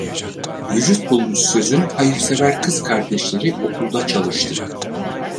Vücut Bulmuş Söz’ün Hayırsever Kız Kardeşleri okulda çalıştı.